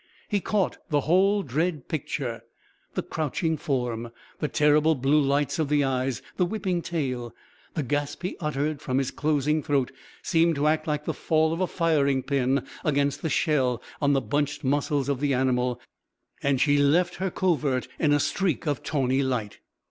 He caught the whole dread picture the crouching form, the terrible blue lights of the eyes, the whipping tail. The gasp he uttered from his closing throat seemed to act like the fall of a firing pin against a shell on the bunched muscles of the animal; and she left her covert in a streak of tawny light.